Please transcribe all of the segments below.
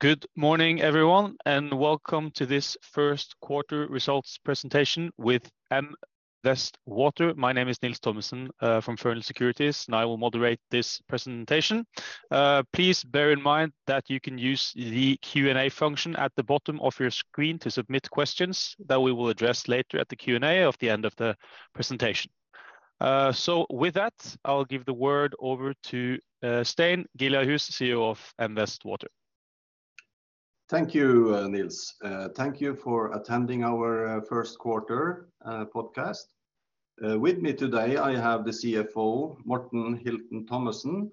Good morning everyone, welcome to this first quarter results presentation with M Vest Water. My name is Nils Thommesen, from Fearnley Securities, and I will moderate this presentation. Please bear in mind that you can use the Q&A function at the bottom of your screen to submit questions that we will address later at the Q&A of the end of the presentation. With that, I'll give the word over to Stein Giljarhus, CEO of M Vest Water. Thank you, Nils. Thank you for attending our first quarter podcast. With me today, I have the CFO, Morten Hilton Thomassen,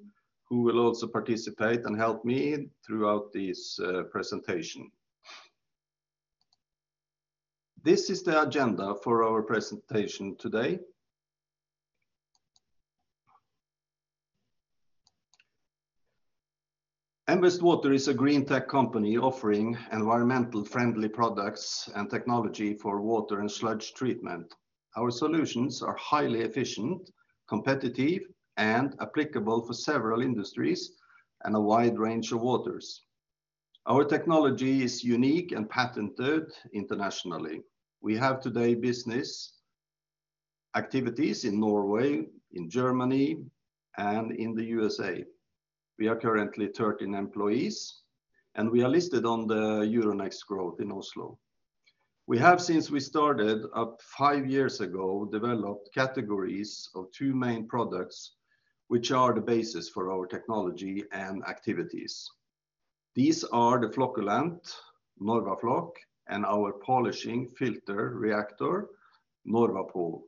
who will also participate and help me throughout this presentation. This is the agenda for our presentation today. M Vest Water is a green tech company offering environmental friendly products and technology for water and sludge treatment. Our solutions are highly efficient, competitive, and applicable for several industries and a wide range of waters. Our technology is unique and patented internationally. We have today business activities in Norway, in Germany, and in the USA. We are currently 13 employees, and we are listed on the Euronext Growth in Oslo. We have, since we started up five years ago, developed categories of two main products, which are the basis for our technology and activities. These are the flocculant, NORWAFLOC, and our polishing filter reactor, NORWAPOL.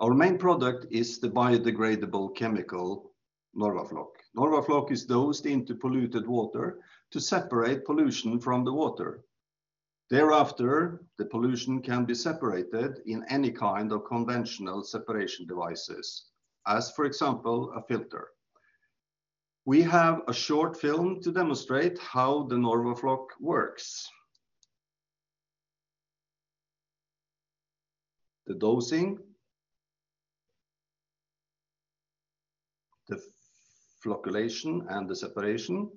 Our main product is the biodegradable chemical, NORWAFLOC. NORWAFLOC is dosed into polluted water to separate pollution from the water. Thereafter, the pollution can be separated in any kind of conventional separation devices, as for example, a filter. We have a short film to demonstrate how the NORWAFLOC works. The dosing, the flocculation, and the separation.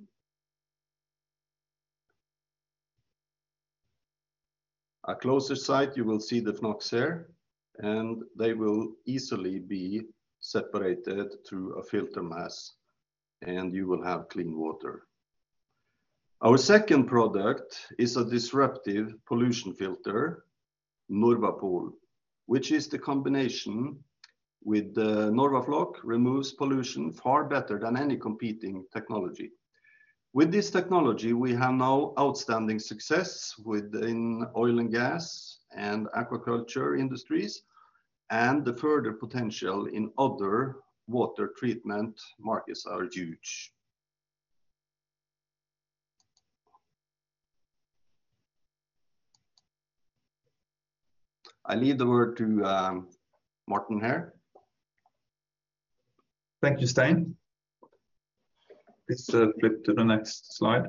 At closer sight, you will see the flocks here, and they will easily be separated through a filter mass, and you will have clean water. Our second product is a disruptive pollution filter, NORWAPOL, which is the combination with the NORWAFLOC removes pollution far better than any competing technology. With this technology, we have now outstanding success within oil and gas and aquaculture industries. The further potential in other water treatment markets are huge. I leave the word to Morten here. Thank you, Stein. Please flip to the next slide.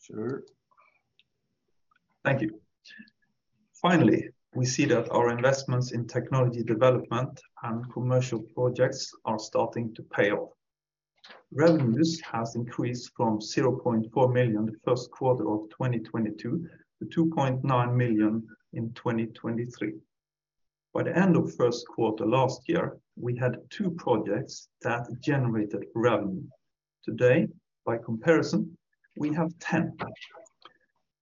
Sure. Thank you. Finally, we see that our investments in technology development and commercial projects are starting to pay off. Revenues has increased from 0.4 million the first quarter of 2022 to 2.9 million in 2023. By the end of first quarter last year, we had two projects that generated revenue. Today, by comparison, we have 10.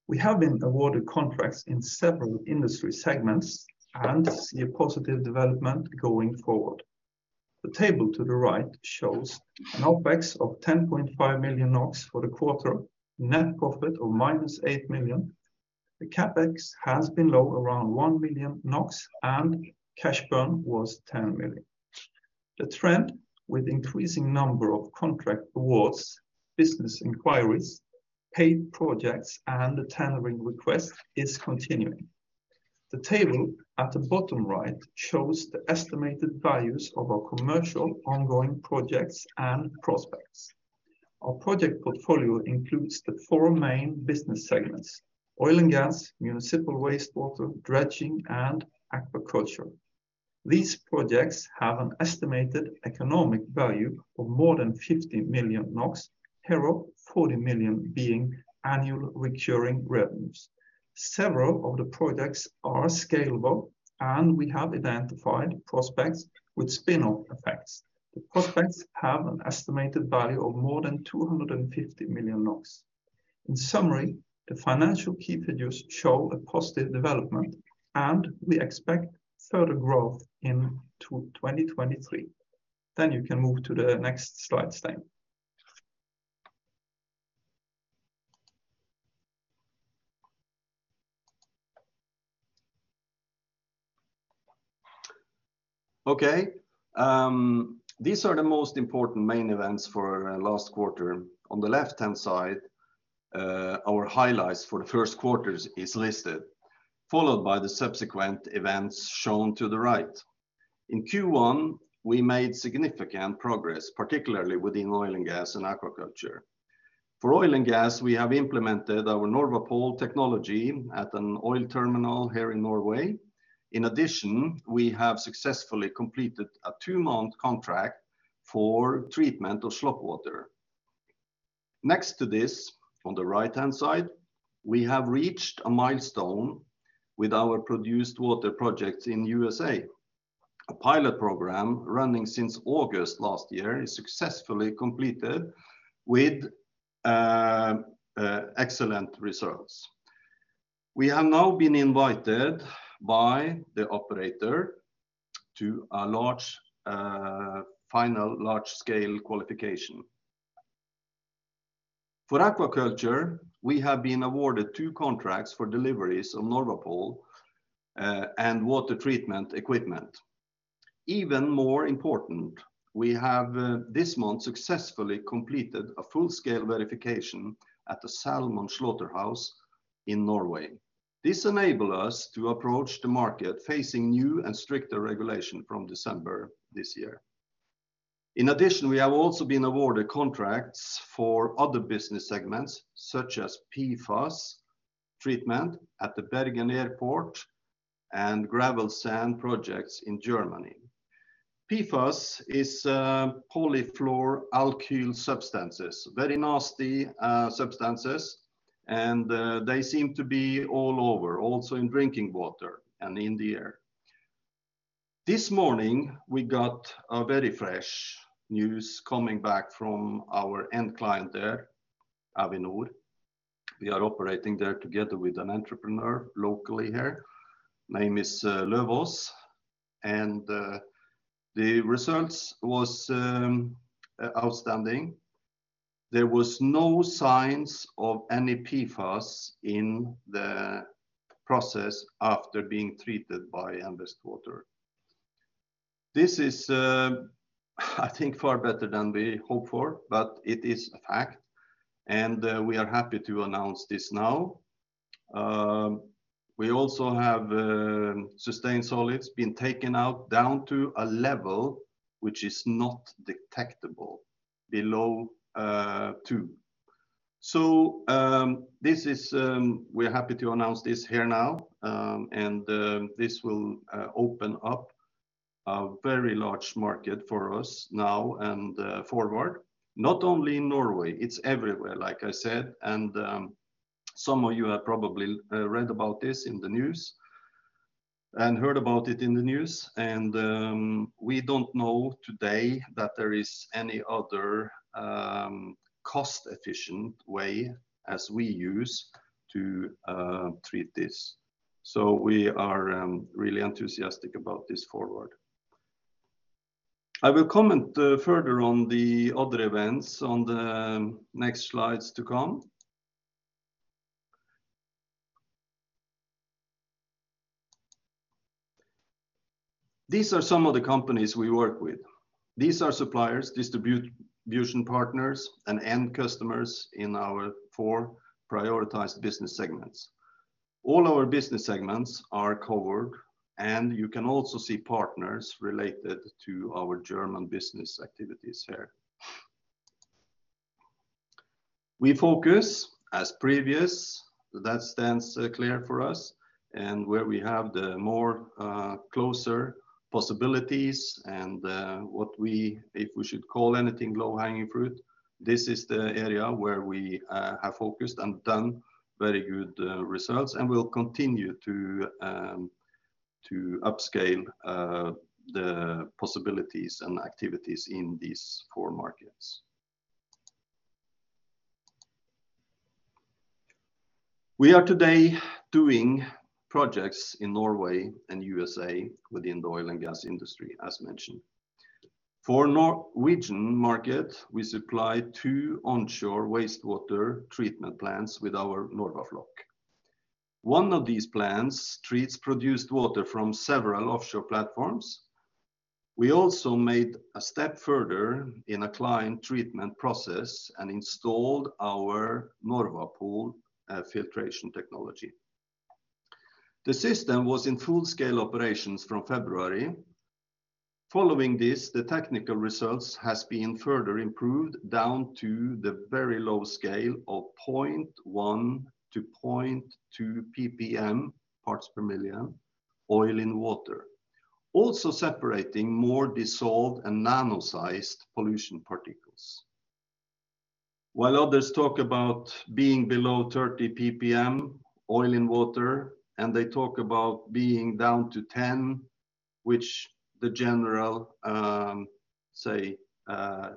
We have been awarded contracts in several industry segments and see a positive development going forward. The table to the right shows an OpEx of 10.5 million NOK for the quarter, net profit of minus 8 million. The CapEx has been low, around 1 million NOK and cash burn was 10 million. The trend with increasing number of contract awards, business inquiries, paid projects, and the tendering request is continuing. The table at the bottom right shows the estimated values of our commercial ongoing projects and prospects. Our project portfolio includes the four main business segments: oil and gas, municipal wastewater, dredging, and aquaculture. These projects have an estimated economic value of more than 50 million NOK, thereof 40 million being annual recurring revenues. Several of the projects are scalable, and we have identified prospects with spin-off effects. The prospects have an estimated value of more than 250 million. In summary, the financial key figures show a positive development, and we expect further growth in 2023. You can move to the next slide, Stein. Okay. These are the most important main events for last quarter. On the left-hand side, our highlights for the first quarters is listed, followed by the subsequent events shown to the right. In Q1, we made significant progress, particularly within oil and gas and aquaculture. For oil and gas, we have implemented our NORWAPOL technology at an oil terminal here in Norway. In addition, we have successfully completed a 2-month contract for treatment of slop water. Next to this, on the right-hand side, we have reached a milestone with our produced water projects in USA. A pilot program running since August last year is successfully completed with excellent results. We have now been invited by the operator to a large, final large-scale qualification. For aquaculture, we have been awarded two contracts for deliveries of NORWAPOL and water treatment equipment. Even more important, we have this month successfully completed a full-scale verification at the salmon slaughterhouse in Norway. This enable us to approach the market facing new and stricter regulation from December this year. In addition, we have also been awarded contracts for other business segments, such as PFAS treatment at the Bergen Airport and gravel sand projects in Germany. PFAS is polyfluoroalkyl substances, very nasty substances, and they seem to be all over, also in drinking water and in the air. This morning, we got a very fresh news coming back from our end client there, Avinor. We are operating there together with an entrepreneur locally here. Name is Løvaas, and the results was outstanding. There was no signs of any PFAS in the process after being treated by M Vest Water. This is, I think, far better than we hoped for, but it is a fact. We are happy to announce this now. We also have sustained solids being taken out down to a level which is not detectable below two. This is. We're happy to announce this here now. This will open up a very large market for us now and forward, not only in Norway. It's everywhere, like I said. Some of you have probably read about this in the news and heard about it in the news. We don't know today that there is any other cost-efficient way as we use to treat this. We are really enthusiastic about this forward. I will comment further on the other events on the next slides to come. These are some of the companies we work with. These are suppliers, distribution partners, and end customers in our four prioritized business segments. All our business segments are covered, and you can also see partners related to our German business activities here. We focus as previous. That stands clear for us and where we have the more closer possibilities and what we, if we should call anything low-hanging fruit, this is the area where we have focused and done very good results. And we'll continue to upscale the possibilities and activities in these four markets. We are today doing projects in Norway and USA within the oil and gas industry, as mentioned. For Norwegian market, we supply two onshore wastewater treatment plants with our NORWAFLOC. One of these plants treats produced water from several offshore platforms. We also made a step further in a client treatment process and installed our NORWAPOL filtration technology. The system was in full-scale operations from February. Following this, the technical results has been further improved down to the very low scale of 0.1-0.2 ppm, parts per million, oil in water, also separating more dissolved and nano-sized pollution particles. While others talk about being below 30 ppm oil in water, and they talk about being down to 10, which the general, say,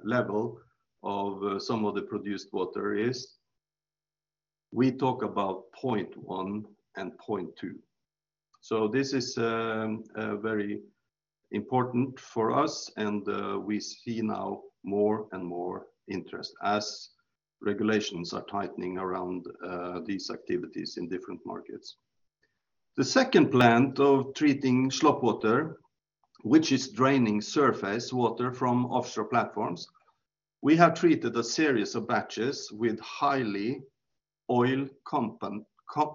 level of some of the produced water is, we talk about 0.1 and 0.2. This is very important for us. We see now more and more interest as regulations are tightening around these activities in different markets. The second plant of treating slop water, which is draining surface water from offshore platforms, we have treated a series of batches with highly oil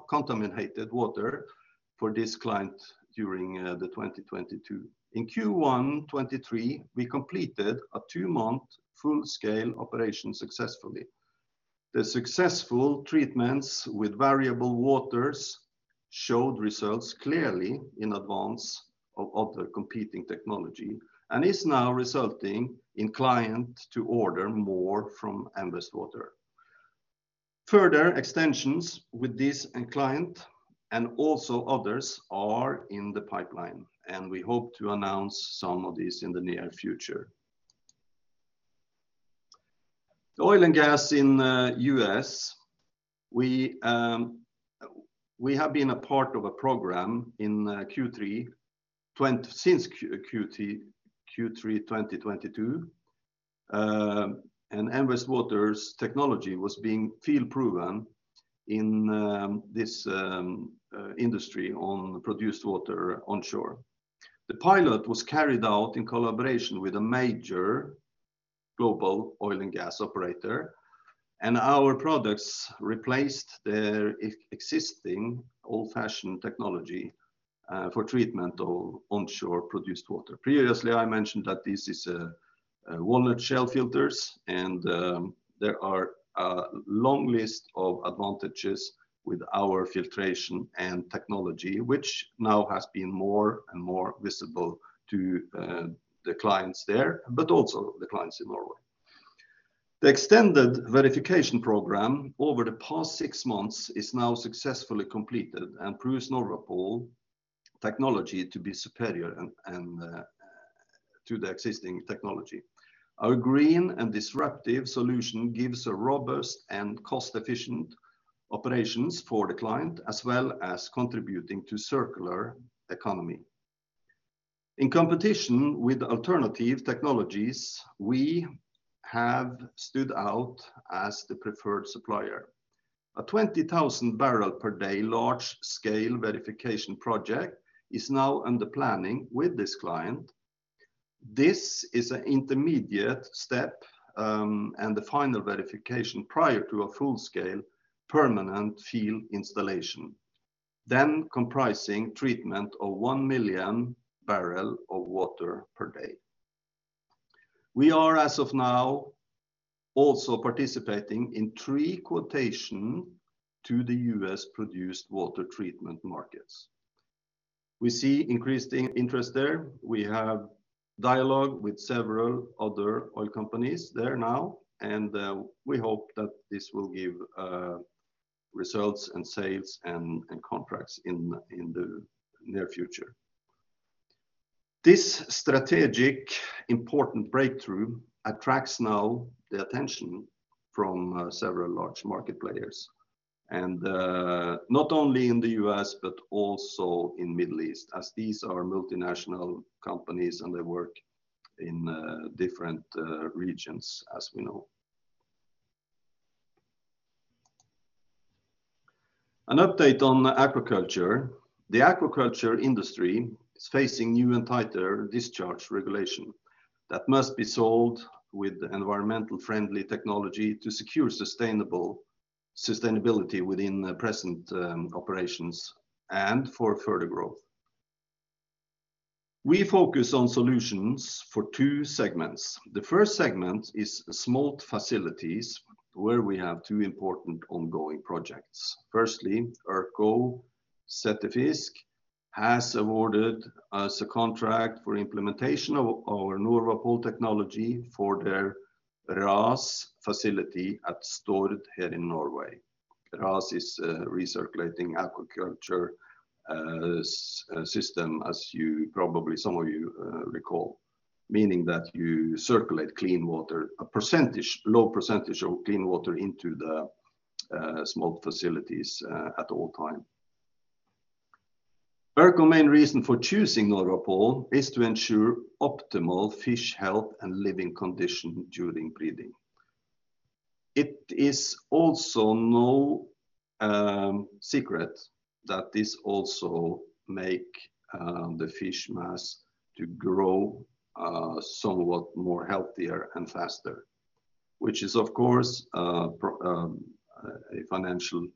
contaminated water for this client during 2022. In Q1 2023, we completed a 2-month full scale operation successfully. The successful treatments with variable waters showed results clearly in advance of other competing technology, is now resulting in client to order more from M Vest Water. Further extensions with this end client and also others are in the pipeline. We hope to announce some of these in the near future. The oil and gas in the U.S., we have been a part of a program since Q3 2022. M Vest Water's technology was being field proven in this industry on produced water onshore. The pilot was carried out in collaboration with a major global oil and gas operator, and our products replaced their existing old-fashioned technology for treatment of onshore produced water. Previously, I mentioned that this is a walnut shell filters, and there are a long list of advantages with our filtration and technology, which now has been more and more visible to the clients there, but also the clients in Norway. The extended verification program over the past six months is now successfully completed and proves NORWAPOL technology to be superior and to the existing technology. Our green and disruptive solution gives a robust and cost-efficient operations for the client, as well as contributing to circular economy. In competition with alternative technologies, we have stood out as the preferred supplier. A 20,000 barrel per day large scale verification project is now under planning with this client. This is an intermediate step, and the final verification prior to a full scale permanent field installation, then comprising treatment of 1 million barrel of water per day. We are, as of now, also participating in three quotation to the U.S. produced water treatment markets. We see increased in-interest there. We have dialogue with several other oil companies there now, and we hope that this will give results and sales and contracts in the near future. This strategic important breakthrough attracts now the attention from several large market players, and not only in the U.S., but also in Middle East, as these are multinational companies and they work in different regions as we know. An update on aquaculture. The aquaculture industry is facing new and tighter discharge regulation that must be solved with environmentally-friendly technology to secure sustainability within the present operations and for further growth. We focus on solutions for two segments. The first segment is SME facilities, where we have two important ongoing projects. Erko Settefisk AS has awarded us a contract for implementation of our NORWAPOL technology for their RAS facility at Stord here in Norway. RAS is Recirculating Aquaculture System, as you probably, some of you, recall, meaning that you circulate clean water, a low percentage of clean water into the SME facilities at all time. Erko main reason for choosing NORWAPOL is to ensure optimal fish health and living condition during breeding. It is also no secret that this also make the fish mass to grow somewhat more healthier and faster, which is of course a financial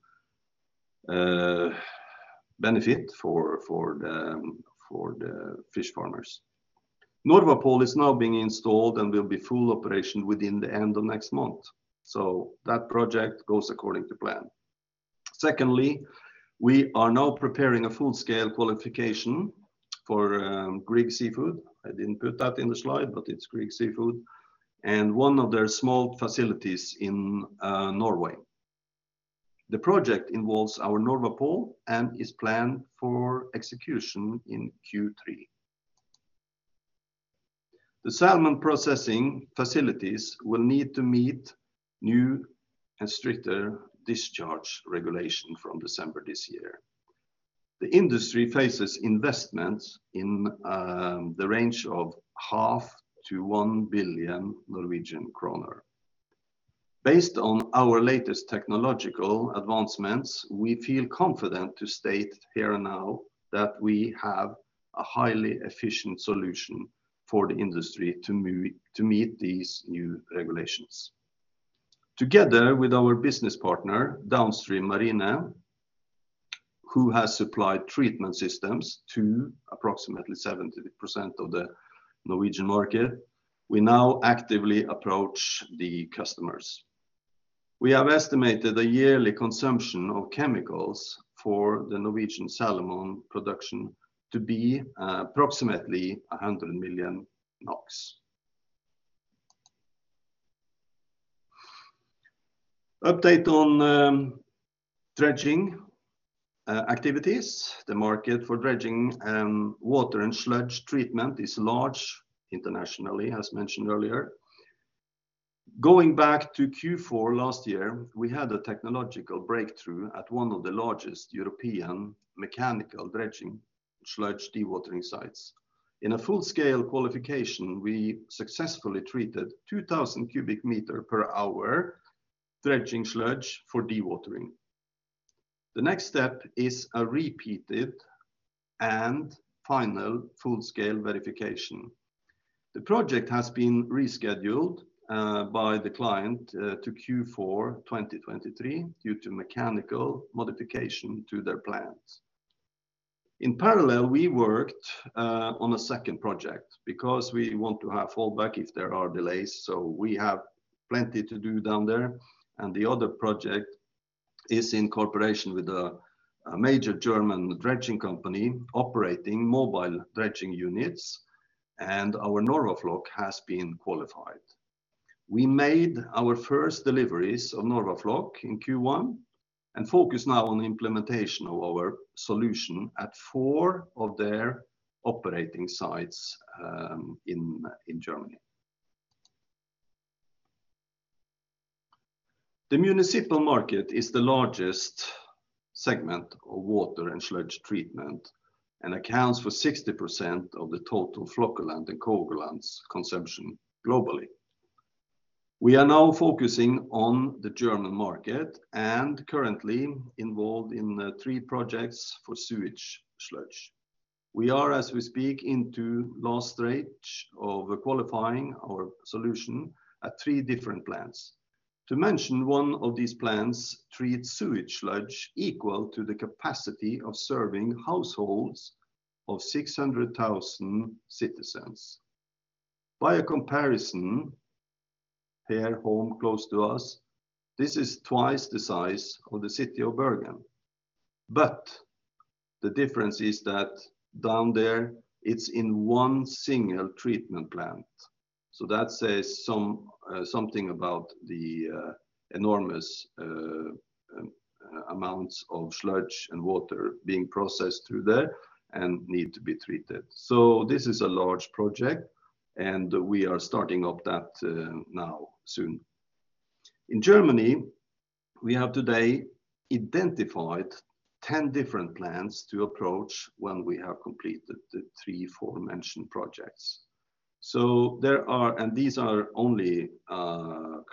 benefit for the fish farmers. NORWAPOL is now being installed and will be full operation within the end of next month. That project goes according to plan. Secondly, we are now preparing a full scale qualification for Grieg Seafood. I didn't put that in the slide, but it's Grieg Seafood, and one of their SME facilities in Norway. The project involves our NORWAPOL and is planned for execution in Q3. The salmon processing facilities will need to meet new and stricter discharge regulation from December this year. The industry faces investments in the range of NOK 0.5 to 1 billion. Based on our latest technological advancements, we feel confident to state here and now that we have a highly efficient solution for the industry to meet these new regulations. Together with our business partner, Downstream Marine, who has supplied treatment systems to approximately 70% of the Norwegian market. We now actively approach the customers. We have estimated a yearly consumption of chemicals for the Norwegian salmon production to be approximately NOK 100 million. Update on dredging activities. The market for dredging water and sludge treatment is large internationally, as mentioned earlier. Going back to Q4 last year, we had a technological breakthrough at one of the largest European mechanical dredging sludge dewatering sites. In a full-scale qualification, we successfully treated 2,000 cubic meter per hour dredging sludge for dewatering. The next step is a repeated and final full-scale verification. The project has been rescheduled by the client to Q4 2023 due to mechanical modification to their plant. In parallel, we worked on a second project because we want to have fallback if there are delays. We have plenty to do down there. The other project is in cooperation with a major German dredging company operating mobile dredging units, and our NORWAFLOC has been qualified. We made our first deliveries of NORWAFLOC in Q1 and focus now on the implementation of our solution at four of their operating sites in Germany. The municipal market is the largest segment of water and sludge treatment and accounts for 60% of the total flocculant and coagulants consumption globally. We are now focusing on the German market and currently involved in three projects for sewage sludge. We are, as we speak, into last stretch of qualifying our solution at three different plants. To mention one of these plants treats sewage sludge equal to the capacity of serving households of 600,000 citizens. By a comparison, here home close to us, this is twice the size of the city of Bergen. The difference is that down there, it's in one single treatment plant. That says something about the enormous amounts of sludge and water being processed through there and need to be treated. This is a large project, and we are starting up that now, soon. In Germany, we have today identified 10 different plants to approach when we have completed the three aforementioned projects. These are only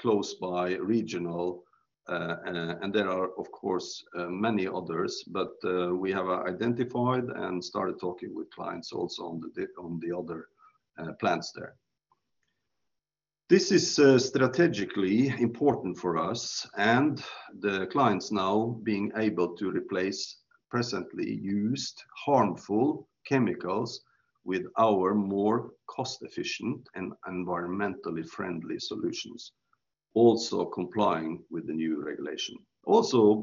close by regional, and there are, of course, many others. We have identified and started talking with clients also on the other plants there. This is strategically important for us and the clients now being able to replace presently used harmful chemicals with our more cost-efficient and environmentally friendly solutions, also complying with the new regulation.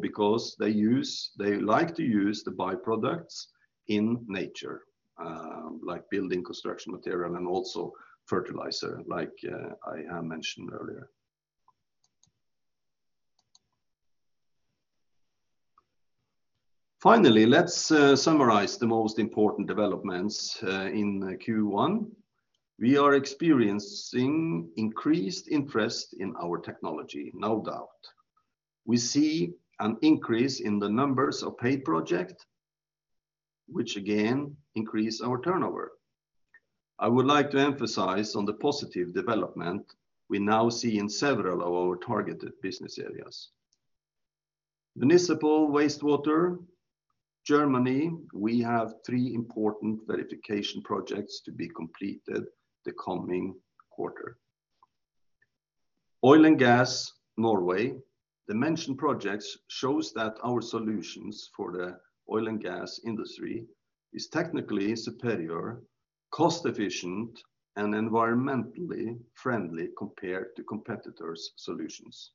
Because they like to use the by-products in nature, like building construction material and also fertilizer like I mentioned earlier. Finally, let's summarize the most important developments in Q1. We are experiencing increased interest in our technology, no doubt. We see an increase in the numbers of paid project, which again increase our turnover. I would like to emphasize on the positive development we now see in several of our targeted business areas. Municipal wastewater, Germany, we have three important verification projects to be completed the coming quarter. Oil and gas, Norway, the mentioned projects shows that our solutions for the oil and gas industry is technically superior, cost efficient, and environmentally friendly compared to competitors' solutions.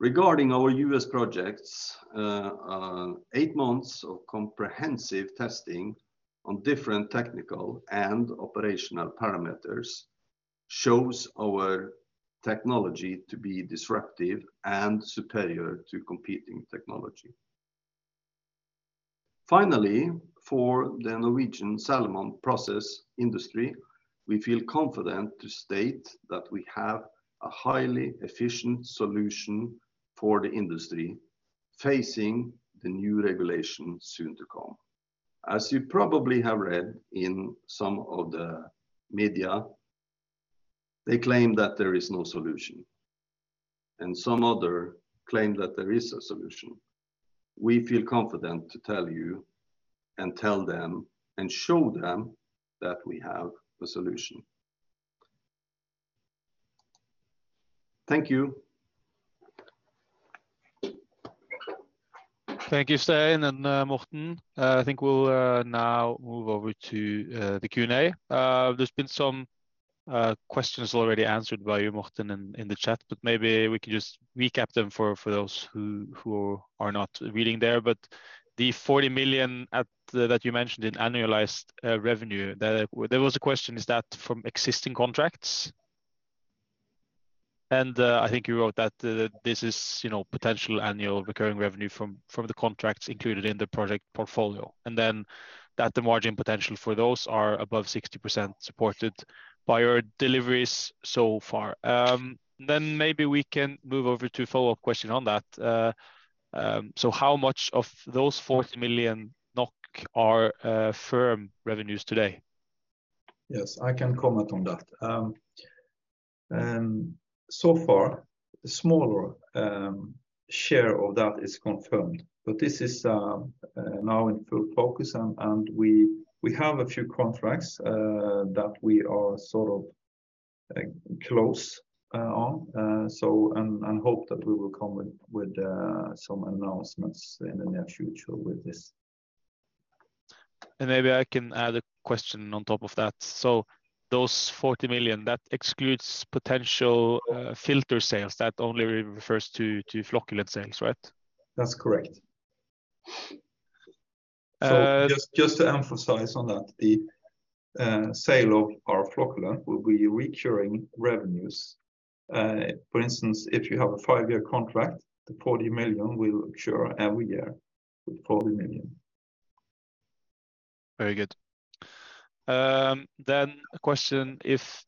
Regarding our U.S. projects, eight months of comprehensive testing on different technical and operational parameters shows our technology to be disruptive and superior to competing technology. Finally, for the Norwegian salmon process industry, we feel confident to state that we have a highly efficient solution for the industry facing the new regulation soon to come. As you probably have read in some of the media, they claim that there is no solution, and some other claim that there is a solution. We feel confident to tell you and tell them and show them that we have the solution. Thank you. Thank you, Stein and Morten. I think we'll now move over to the Q&A. There's been some questions already answered by you, Morten, in the chat, but maybe we can just recap them for those who are not reading there. The 40 million that you mentioned in annualized revenue, there was a question, is that from existing contracts? I think you wrote that this is, you know, potential annual recurring revenue from the contracts included in the project portfolio, and then that the margin potential for those are above 60% supported by your deliveries so far. Maybe we can move over to a follow-up question on that. So how much of those 40 million NOK are firm revenues today? Yes, I can comment on that. So far, a smaller share of that is confirmed, but this is now in full focus and we have a few contracts that we are sort of, like, close on. So and hope that we will come with some announcements in the near future with this. Maybe I can add a question on top of that. Those 40 million, that excludes potential filter sales. That only refers to flocculant sales, right? That's correct. Uh- Just to emphasize on that, the sale of our flocculant will be recurring revenues. For instance, if you have a 5-year contract, the 40 million will occur every year, with 40 million. Very good. A question if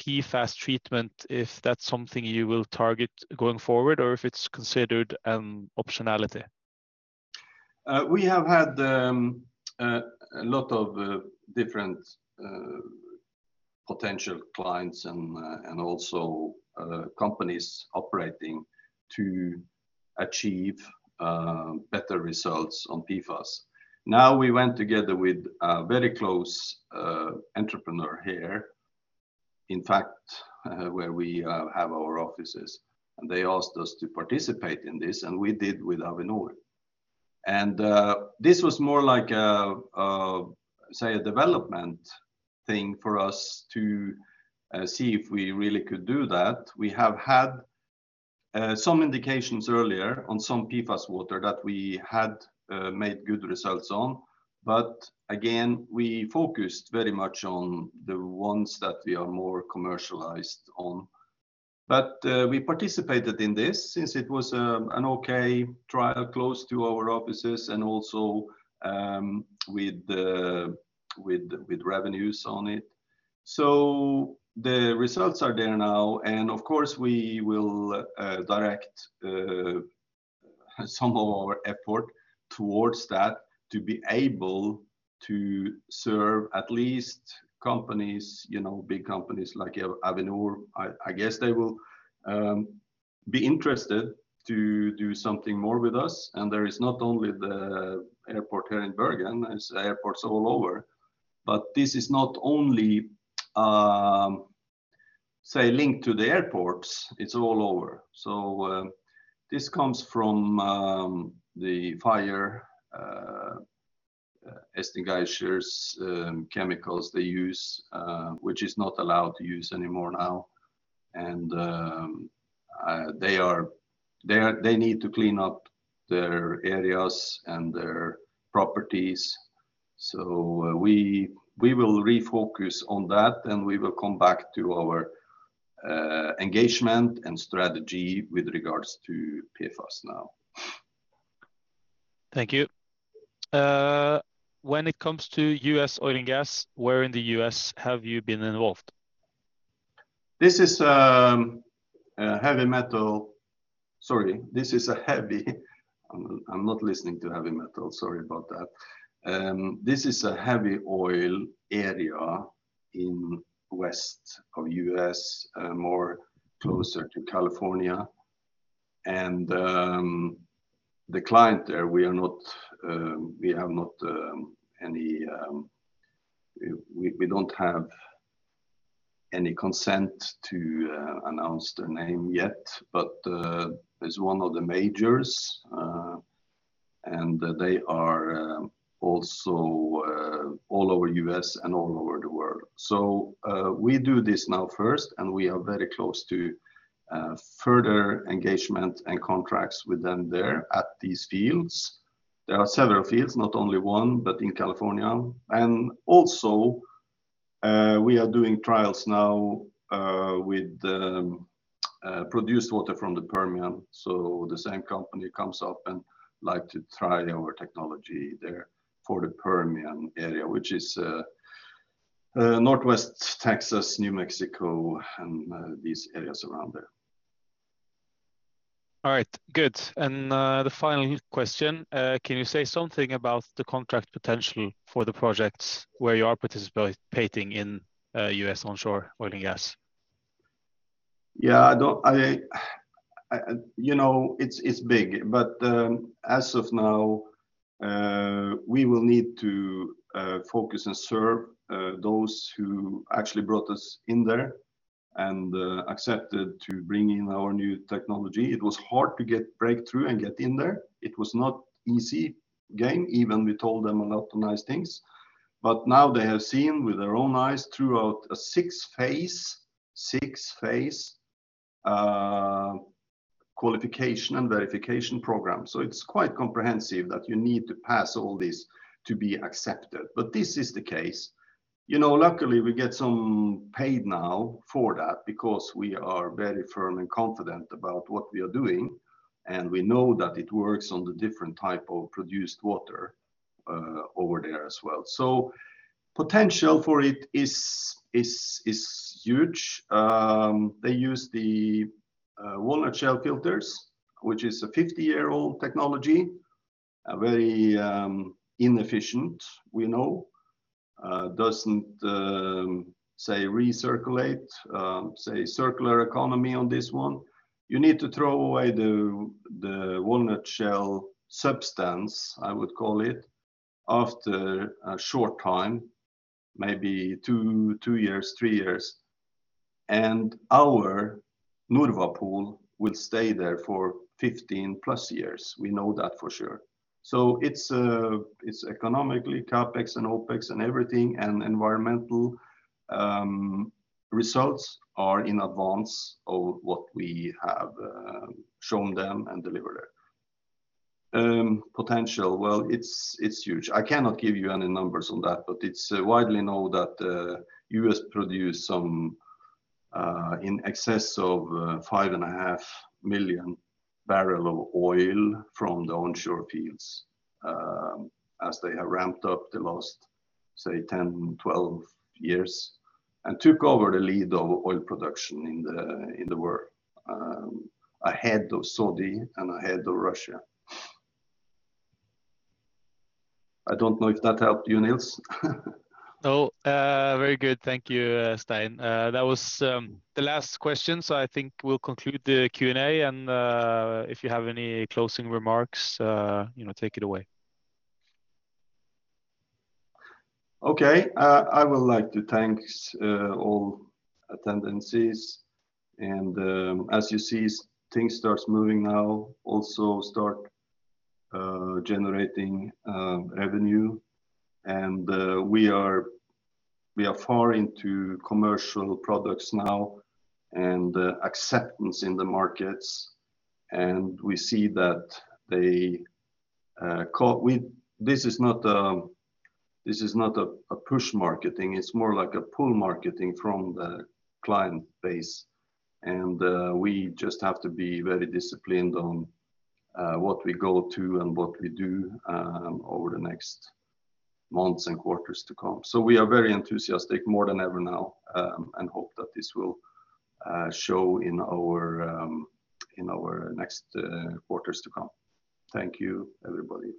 PFAS treatment, if that's something you will target going forward or if it's considered an optionality? We have had a lot of different potential clients and also companies operating to achieve better results on PFAS. Now we went together with a very close entrepreneur here, in fact, where we have our offices, and they asked us to participate in this, and we did with Avinor. This was more like a say, a development thing for us to see if we really could do that. We have had some indications earlier on some PFAS water that we had made good results on. Again, we focused very much on the ones that we are more commercialized on. We participated in this since it was an okay trial close to our offices and also with the revenues on it. The results are there now, and of course we will direct some of our effort towards that to be able to serve at least companies, you know, big companies like Avinor. I guess they will be interested to do something more with us. There is not only the airport here in Bergen, there's airports all over. This is not only linked to the airports, it's all over. This comes from the fire extinguishers chemicals they use, which is not allowed to use anymore now. They need to clean up their areas and their properties. We will refocus on that, and we will come back to our engagement and strategy with regards to PFAS now. Thank you. When it comes to U.S. oil and gas, where in the U.S. have you been involved? This is a heavy oil area in west of U.S., more closer to California. The client there, we are not, we have not any, we don't have any consent to announce their name yet, but it's one of the majors. They are also all over U.S. and all over the world. We do this now first, and we are very close to further engagement and contracts with them there at these fields. There are several fields, not only one, but in California. Also, we are doing trials now with the produced water from the Permian. The same company comes up and like to try our technology there for the Permian area, which is Northwest Texas, New Mexico, and these areas around there. All right. Good. The final question, can you say something about the contract potential for the projects where you are participating in, U.S. onshore oil and gas? Yeah. I, you know, it's big. As of now, we will need to focus and serve those who actually brought us in there and accepted to bring in our new technology. It was hard to get breakthrough and get in there. It was not easy game even we told them a lot of nice things. Now they have seen with their own eyes throughout a six-phase qualification and verification program. It's quite comprehensive that you need to pass all this to be accepted. This is the case. You know, luckily, we get some paid now for that because we are very firm and confident about what we are doing, and we know that it works on the different type of produced water over there as well. Potential for it is huge. They use the walnut shell filters, which is a 50-year-old technology. A very inefficient, we know. Doesn't say, recirculate, say, circular economy on this one. You need to throw away the walnut shell substance, I would call it, after a short time, maybe two years, three years. Our NORWAPOL will stay there for 15+ years. We know that for sure. It's economically CapEx and OpEx and everything, and environmental results are in advance of what we have shown them and delivered it. Potential, well, it's huge. I cannot give you any numbers on that, but it's widely known that U.S. produce some in excess of 5.5 million barrel of oil from the onshore fields, as they have ramped up the last, say, 10, 12 years and took over the lead of oil production in the world, ahead of Saudi and ahead of Russia. I don't know if that helped you, Nils. No. Very good. Thank you, Stein. That was the last question. I think we'll conclude the Q&A and, if you have any closing remarks, you know, take it away. Okay. I would like to thanks all attendances and as you see, things starts moving now, also start generating revenue. We are far into commercial products now and acceptance in the markets, and we see that they. This is not a push marketing, it's more like a pull marketing from the client base. We just have to be very disciplined on what we go to and what we do over the next months and quarters to come. We are very enthusiastic more than ever now, and hope that this will show in our in our next quarters to come. Thank you, everybody.